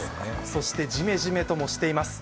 そしてジメジメともしています。